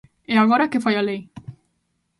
E agora ¿que fai a lei?